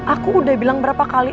aku udah bilang berapa kali